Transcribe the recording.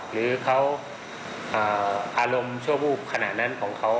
หรือเขาอารมณ์ชั่ววูบขนาดนั้นของเขา